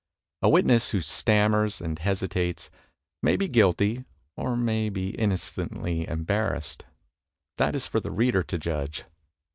A wit ness who stammers and hesitates, may be guilty or may be innocently embarrassed. That is for the reader to judge.